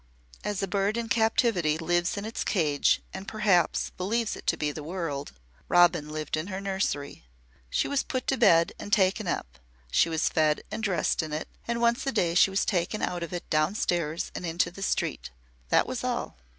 As a bird in captivity lives in its cage and, perhaps, believes it to be the world, Robin lived in her nursery. She was put to bed and taken up, she was fed and dressed in it, and once a day she was taken out of it downstairs and into the street. That was all.